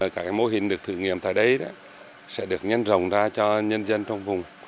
các mô hình được thử nghiệm tại đây sẽ được nhân rồng ra cho nhân dân trong vùng